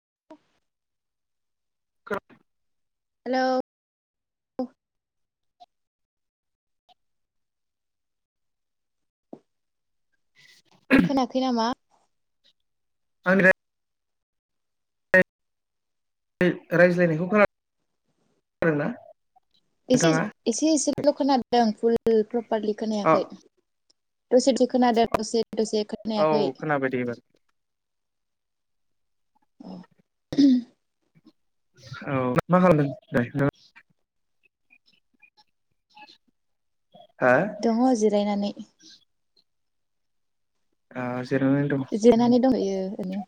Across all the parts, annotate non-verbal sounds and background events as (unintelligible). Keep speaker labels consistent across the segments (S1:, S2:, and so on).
S1: (inaudible)
S2: खोना
S1: हेलौ
S2: (inaudible)
S1: खोनायाखै नामा?
S2: आंनिफ्राय रायज्लायनायखौ खोनादोंना?
S1: एसे
S2: नोंथाङा?
S1: एसेल' खोनादों फुल न (unintelligible) (unintelligible)
S2: औ
S1: खोनायाखै। दसे खोनादों दसे दसे
S2: औ
S1: खोनायाखै
S2: खोनाबायदे एबार।
S1: अ
S2: औ मा खालामदों (unintelligible) (inaudible)
S1: दङ जिरायनानै।
S2: आ जिरायनानै दंङ।
S1: जिरायनानै
S2: (inaudible)
S1: दंहैयो ओरैनो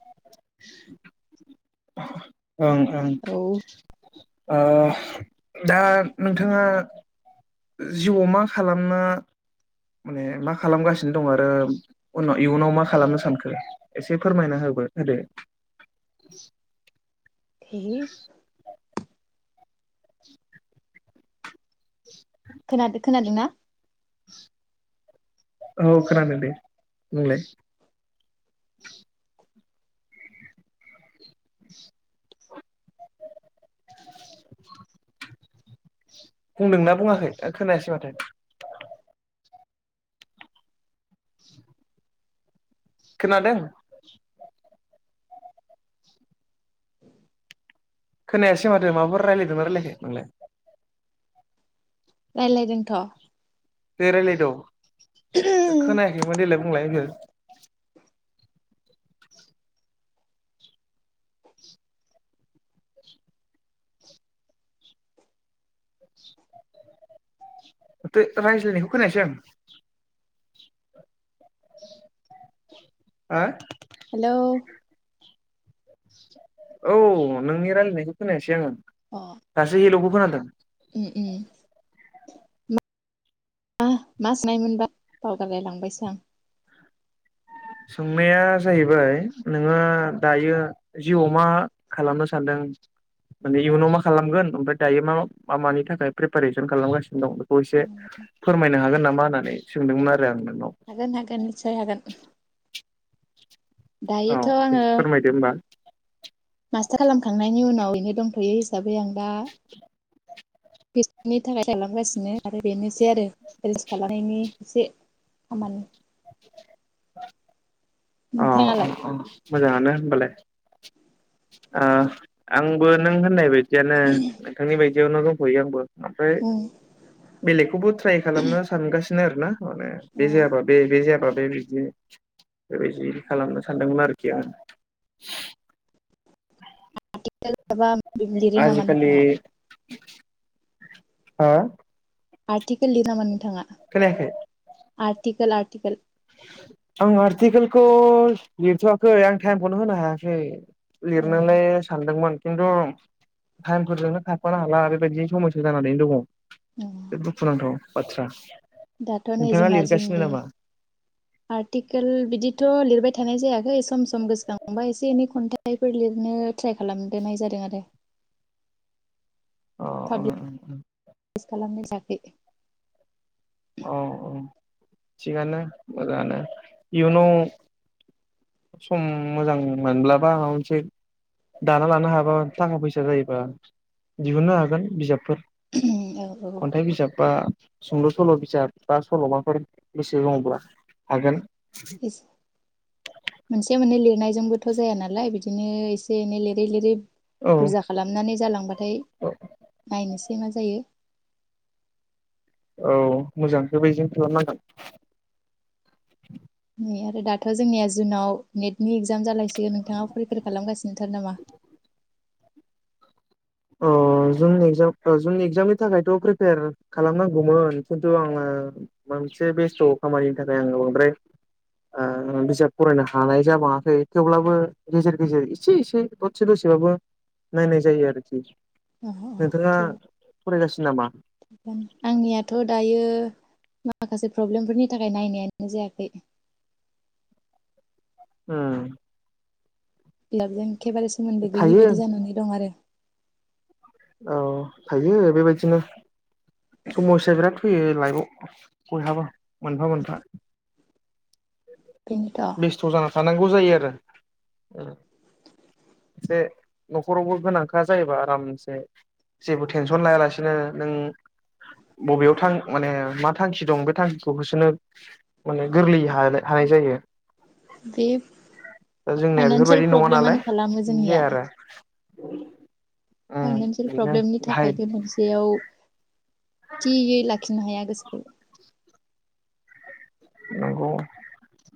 S2: ओं ओं
S1: औ
S2: ओ दा नोंथाङा जिउआव मा खालामनो माने मा खालामगासिनो दं आरो उनाव इयुनाव मा खालामनो सानखो एसे फोरमायना होबो होदो।
S1: (unintelligible) खोनादो खोनादोंना?
S2: औ खोनादों दे बुंलाय। (inaudible) बुंदोंना बुङाखै ओ खोनायासै माथो। खोनादों? खोनायासै माथो माबाफोर रायलायदों ना रायलायाखै नोंलाय
S1: रायलायदोंथ'
S2: दे रायलायद
S1: हेलौ
S2: खोनायाखैमोन देलाय बुंलाय (unintelligible) ओमफ्राय रायज्लायनायखौ खोनायासै आं हा औ नोंनि रायलायनायखौ खोनायासै आङो।
S1: अ
S2: दासो हेलौखौ खोनादों
S1: उम उम मा मा सोंनायमोनबा बावगारलाय लांबायसो आं।
S2: सोंनाया जाहैबाय नोङो दायो जिउआव मा खालामनो सानदों माने इयुनाव मा खालामगोन ओमफ्राय दायो मा मा मानि थाखाय प्रिपेरेसन खालामगासिनो दं बेखौ एसे फोरमायनो हागोन नामा होननानै सोंदोंमोन आरो आं नोंनाव
S1: हागोन हागोन निस्सय हागोन।
S2: औ
S1: दायोथ'
S2: दे
S1: आङो
S2: फोरमायदो होमबा
S1: मास्टार खालामखांनायनि उनाव इदि दंथ'यो हिसाबै आं दा। (unintelligible) से आरो रिल्स खालामनायनि एसे खामानि
S2: (inaudible) औ औ
S1: नोंथाङालाय
S2: औ मोजाङानो होनबालाय। ओ आंबो नों होननाय बाय दियानो नोंथांनिबाय बेयावनो दंथयो आंबो। ओमफ्राय
S1: बुं
S2: बेलेगखौबो ट्राइ खालामनो सानगासि नो आरो ना? माने बे जायाबा बे बे जायाबा बे बिदि बेबायदि खालामनो सानदोंमोन आरोखि आङो।
S1: माबा माबि लिरो नामा
S2: आजिखालि
S1: नोंथाङा?
S2: हा
S1: आर्टिकेल लिरो नामा नोंथाङा?
S2: खोनायाखै।
S1: आर्टिकोल आर्टिकोल
S2: आं आर्टिकेलखौ लिरथवाखै आं टाइमखौनो होनो हायाखै।
S1: अ
S2: लिरनोलाय सानदोंमोन। खिन्थु टाइमफोरजोंनो खारफानो हाला ओरैबायदि समयसा जानानैनो दङ।
S1: अ
S2: बिराद दुखुनांथाव। आतसा।
S1: दाथ' नै जोंना जुननि आर्टिकेल बिदिथ' लिरबाय थानाय जायाखै सम सम गोसोखांबा एसे एनै खन्थाइफोर लिरनो ट्राइ खालामग्रोनाय जादों आरो।
S2: अह अह उम उम।
S1: (unintelligible) खालामनो जायाखै।
S2: अ अ थिगानो मोजाङानो इयुनाव सम मोजां मोनब्लाबा माबा मोनसे दाना लानो हाबा थाखा फैसा जायोबा दिहुननो हागोन बिजाबफोर।
S1: औ औ
S2: खन्थाइ बिजाब बा सुंद सल' बिजाब बा सल'माफोर गोसो दङब्ला हागोन।
S1: मोनसे मोननै लिरनाय जोंबोथ' जाया नालाय बिदि बिदिनो एसे एनै लिरै लिरै
S2: औ
S1: बुरजा खालामनानै जालां ओमफ्राय नायनोसै ओमफ्राय मा जायो
S2: औ मोजां बेबादिनो खालामनांगोन।
S1: नै आरो दाथ' जोंनिया जुनाव नेटनि एक्जाम जागायसिगोन दायो नोंथाङा प्रिपेयार खालामगासिनो थादो नामा?
S2: ओ जुननि एकजाम ओ जुननि एकजामनि थाखायथ' प्रिपेयार खालामनांगौमोन खिन्थु आङो मोनसे बेस्थ खामानिनि थाखाय आङो बांद्राय ओ बिजाब फरायनो हानाय जाबाङाखै थेवब्लाबो गेजेर गेजेर एसे एसे दसे दसेबाबो नायनाय जायो आरो। खि
S1: अ अ थिगानो
S2: नामा
S1: थिगानो, आंनियाथ' दायो यो माखासे प्रब्लेमफोरनि थाखाय नायनायानो जायाखै।
S2: ओम
S1: बिलाबजों एखेबारे सोमोन्दो गैयि
S2: थायो
S1: बायदि जानानै दं आरो।
S2: औ थायो बेबायदिनो समयसा बिराद फैयो लाइफआव बयहाबा मोनफा मोनफा।
S1: बेनोथ'
S2: बेस्थ' जाना था नांगौ जायो आरो ओम। एसे न'खरावबो गोनांखा जायोबा आरामसे जेबो टेनसन लायालासेनो नों बबेयाव थां माने मा थांखि दं बे थांखिखौ होसोनो माने गोरलै हानो हानाय जायो।
S1: बे
S2: दा जोंनिया
S1: फाइनानसियेल
S2: बेफोरबायदि नङा नालाय
S1: प्रब्लेमानो खालाम
S2: बिदि जाया आरो। (inaudible)
S1: फाइनान्सियेल
S2: बेनो
S1: प्रब्लेमनि
S2: बाहाय
S1: थाखाय बे मोनसेयाव थियै लाखिनो हाया। गोसोखौ।
S2: नंगौ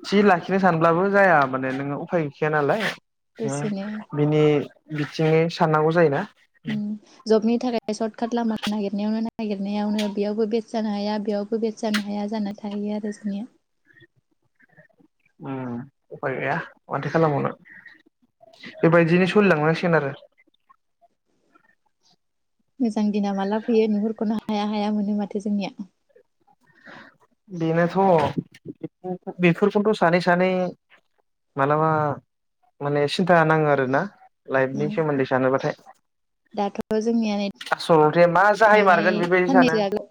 S2: थि लाखिनो सानब्लाबो जाया माने नोङो उफाय गैखाया नालाय। होम
S1: दसेनो
S2: बिनि बिथिङै साननांगौ जायोना।
S1: ओम, जबनि थाखाय सर्ट काट लामा नागिरनायावनो नागिरनायावनो बेयावबो बेसे जानो हाया बेयावबो बेट जानो हाया जाना थाहैयो आरो जोंनिया।
S2: उफाय गैया माथो खालामबावनो बेबायदिनो सोलिलांनांसिगोन आरो।
S1: (unintelligible) जां दिना माला फयो नुहरखौनो हा हाया हाया मोनो माथो जोंनिया।
S2: बेनोथ' बेफोरखौथ' सानै सानै मालाबा माने सिन्था नाङो आरोना लाइफनि सोमोन्दै सानोबाथाय।
S1: दाथ' जोंनिया नै
S2: ओमफ्राय मा
S1: थांनाय
S2: जाहायमारगोन बेबायदि सानो।
S1: साननैसो आगोल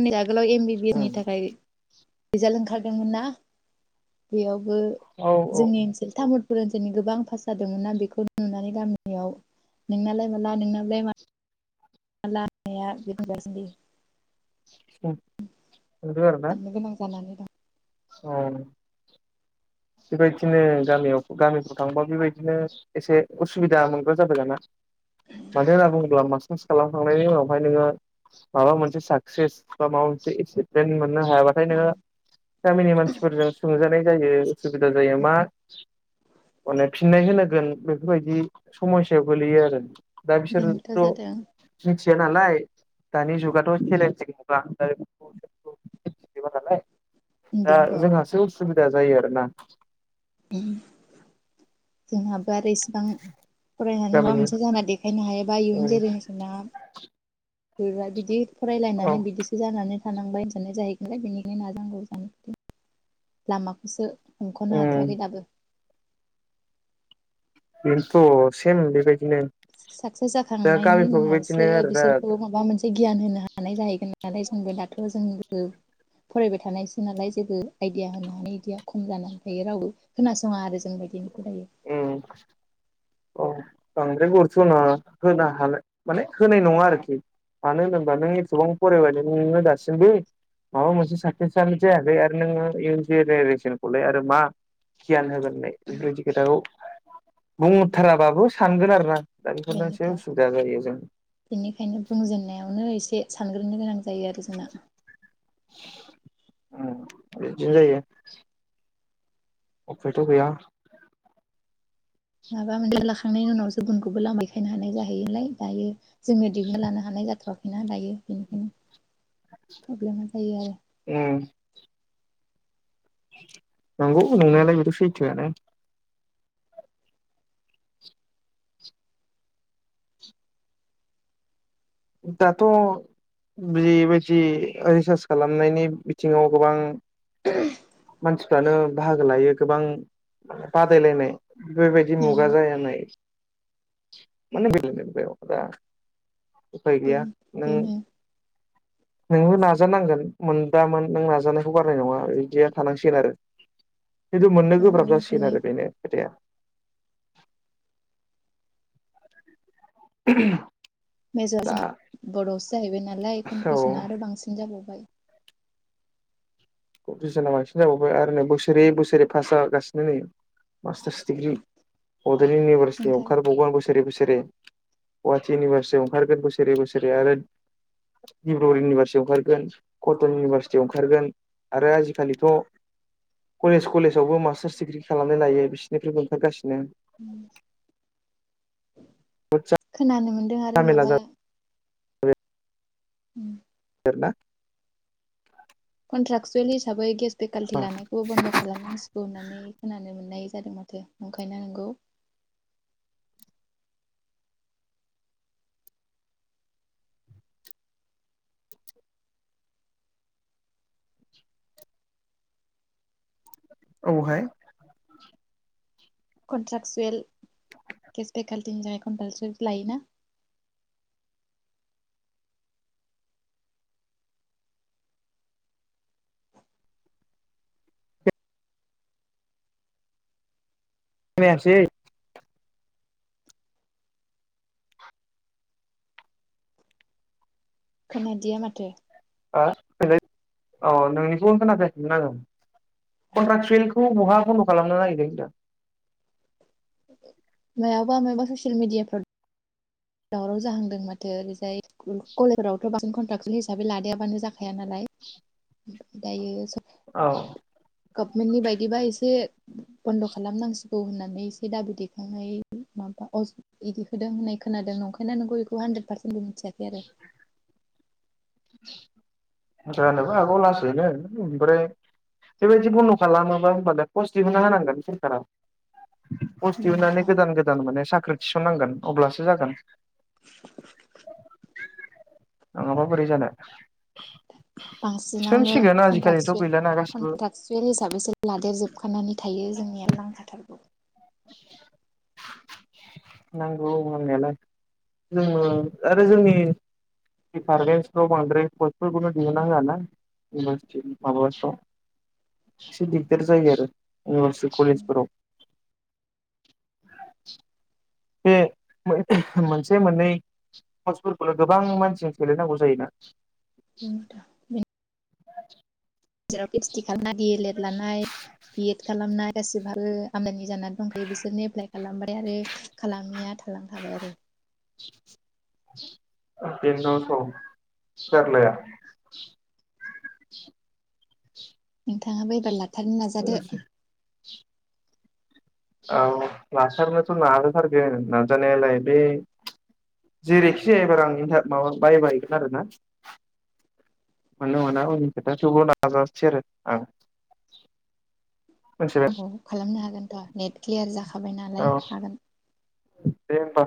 S1: (unintelligible) आगोलाव एम बि बि एस नि थाखाय रिजाल्ट ओंखारदोंमोन ना बेयाव बो
S2: औ औ
S1: जोंनि ओनोल तामुलपुर ओनसोल जोंनि गोबां पास जादोंमोन ना बेखौ नुनानै गामियाव नोंनालाय माला नोंनाबलाय मा‌‌ माला (unintelligible) साननो गोनां जानानै दं
S2: (unintelligible) अ बेबायदिनो गामियाव गामिफ्राव थांबा बेबायदिनो एसे उसुबिदा मोनग्रा जाबाय दाना मानो होनना बुङोब्ला मास्टार्स खालामखांनायनि उनावहाय नोङो माबा मोनसे साक्सेस बा माबा मोनसे एसिभमेन्ट मोन मोननो हायाबाथाय नोङो मानसिफोरजों सोंजानाय जायो उसुबिदा जायो मा माने फिननाय होनांगोन बेफोरबायदि समयसायाव गोलैयो आरो दा
S1: बेनोथ' जादों
S2: बिसोरथ' (unintelligible) थिया नालाय दानि जुगाथ' चेलेन्जनि‌ मुगा (unintelligible) नालाय दा
S1: बेनोथ'
S2: जोंहासो उस सुबिदा जायो आरो ना।
S1: जोंहा बे आरो इसेबां फरायनानै माबा
S2: गामिनि
S1: मोनसे जाना देखायनो हायोबा इयुन
S2: उम
S1: जेनेरेसना सोरबा बिदि
S2: औ
S1: फरायलायनानै बिदिसो जानानै थानांबाय होनानाय जाहैगोनलाय बेनिखायनो (unintelligible) लामाखौसो हमख'नो
S2: उम
S1: हाथ'वाखै दाबो।
S2: बेनोथ' सेम बेबायद‌
S1: साक्सेस जाखांनायनि
S2: बेबायदिनो
S1: उनावसो
S2: आरोना
S1: बिसोरखौ माबा मोनसे गियान होनो हानाय जाहैगोन। नालाय जोंबो दाथ' जों फरायबाय थानायसो नालाय जेबो आइदिया होनो हानाय‌ इदिया खम जानानै थायो रावबो खोनासङा आरो (unintelligible)
S2: उम औ बांद्राय गुरुतनाङा होनो हानाय माने होनाय नङा आरोखि मानो होनोबा नों एथबां फरायबायानो नोङो दासिमबो माबा मोनसे साक्सेस यानो जायाखै आरो नोङो इयुन जेनेरेसनखौलाय आरो मा गियान होगोनलाय। बेफोरबायदि खोथाखौ बुंहथाराबाबो सानगोन आरो ना दा बेफोरनो
S1: बेनोथ'
S2: एसे उसुबिदा जायो जों
S1: बेनिखायनो बुंजेननायावनो एसे सानग्रोनो गोनां जायो आरो जोंना
S2: उम बेबादि जायो उफायथ' गैया
S1: माबा मोनसे लाखांनायनि उनावसो गुबुनखौबो लामा देखायनो हानाय जाहैयो नालाय दायो जोङो दिहुनालानो हानाय जाथ'वा ना दायो बेनिखायनो प्रब्लेमा जायो आरो।
S2: ओम नंगौ नंनायालाय बेथ' सैथोआनो दाथ बेबायदि रिसार्च खालामनायनि बिथिङाव गोबां
S1: (inaudible)
S2: मानसिफ्रानो बाहागो लायो गोबां बादायलायनाय बेफोरबायदि मुगा
S1: औ
S2: जाया नाय माने (unintelligible) उफाय गैया
S1: बेनो
S2: नों
S1: बेनो
S2: नोंबो नाजानांगोन मोन दामोन नों नाजानायखौ गारनाय नङा इदिया थानांसिगोन आरो। खिन्थु मोननो
S1: औ औ
S2: गोब्राब जासिगोन आरो बेनो खोथाया। (inaudible)
S1: (unintelligible)
S2: दा
S1: जोंआ बर'आवसो जाहैबाय नालाय
S2: औ
S1: कम्पिटिसना आरो बांसिन जाबावबाय।
S2: कम्पिटिसना बांसिन जाबावबाय आरो नै बोसोरै बोसोरै पास जागासिनो नै मास्टार्स डिग्रि बड'लेण्ड इउनिभारसिटियाव
S1: ओंखाय
S2: ओंखारबावगोन बोसोरे बोसोरे गुवाहाटि इउनिभारसिटियाव ओंखारगोन बोसोरे बोसोरे आरो डिब्रुगर इउनिभारसिटियाव ओंखारगोन कटन इउनिभारसिटियाव ओंखारगोन। आरो आजिखालिथ' कलेज कलेजावबो मास्टार्स डिग्रि खालामनाय लायो बिसोरनिफ्रायबो ओंखारगासिनो।
S1: उम
S2: (unintelligible)
S1: (unintelligible) मोनदों आरो
S2: जामेला
S1: माबा
S2: जाबाय
S1: उम
S2: (unintelligible)
S1: कनट्राक्टसुएल हिसाब बै गेस फेकाल्टि लानायखौबो बन्द' खालामनांसिगौ होननानै खोनानो मोननाय जादों माथो ओंखायनो नंगौ
S2: औहाय
S1: कन्ट्राकसुएल गेस फेकाल्टिनि थाखाय कनट्राक्टसुएलखौ लायोना।
S2: खोनायासै
S1: खोनादिया माथो
S2: (unintelligible) अ नोंनिखौ खोनागासिमोन आगोन कन्ट्राक्सुवेलखौ बहा बन्द खालामनो नागिरदों दा
S1: मायाबा मायबा ससेल मिडियाफोर दावराव जाहांदों माथो ओरैजाय (unintelligible) हिसाबै लादायाबानो जा हाया नालाय दायो
S2: होनदों औ
S1: गपमेननि बायदिबा एसे बन्द खालामनांसिगौ होननानै एसे दाबि दैखांनाय माबा अ (unintelligible) होननाय खोनादोंं नंखायना नोंगौ बेखौ हान्द्रेद पार्सेन्बो मिथिया खै आरो
S2: जानोबो आगौ लासैनो ओमफ्राय बेबायदि बन्द खालामोबा होनबाना कस दिहुनना होनांगोन सोरखारा पस्ट दिहुननानै
S1: ओमफ्रायनोथ'
S2: गोदान गोदान माने साख्रि थिसननांगोन अब्लासो जागोन नङाबा बोरै जानो (inaudible)
S1: बांसिनावनो
S2: थिसनसिगोन आजिखालिथ'
S1: कन्टासुवे
S2: गैलाना गासिबो
S1: कन्टाकसुयेल हिसाबैसो लादेर जोबखानानै थायो जोंनिया लांखाथार
S2: नांगौ होननायालाय जोंनो आरो जोंनि दिपार्मेन्सफ्राव बांद्राय पसफोरखौनो दिहुनना होआ ना इउनिभारसिटि माबाफ्राव एसे दिगदार जायो आरो इउनिभारसिटि कलेजफोराव बे मोनसे मोननै (unintelligible) फोरखौल गोबां मानसि सेलाय नांगौ जायोना
S1: उम दा
S2: (unintelligible)
S1: जेराव पिओइसडि खालामनाय डि एलएड लानाय बिएड खालामनाय (unintelligible) आमोनि जाना दंखायो बिसोरनि एप्लाइ खालामबाय आरो खालामिया थालांखाबाय आरो
S2: बेनथ जारलाया
S1: नोंथाङाबो एबार ला थारनो नाजादो
S2: औ लाथारनोथ नाजाथारगोन नाजानायालाय बे जेरैखि जायाएबार एन्थ माबा बायबायगोन आरोना मोनो मोना उननि खोथा थेवबो नाजासै आरो आं मिथिबाय
S1: अं खालामनो हागोनथा नेट क्लियार जाखाबायना
S2: औ
S1: लाय हागोन
S2: दे ओमबा